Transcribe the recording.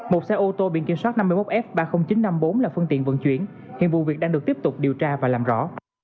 một xe ô tô biển kiểm soát năm mươi một f ba mươi nghìn chín trăm năm mươi bốn là phương tiện vận chuyển hiện vụ việc đang được tiếp tục điều tra và làm rõ